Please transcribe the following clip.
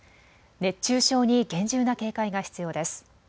熱中症に厳重な警戒が必要です。